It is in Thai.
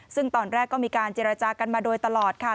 ซึ่งตอนแรกก็มีการเจรจากันมาโดยตลอดค่ะ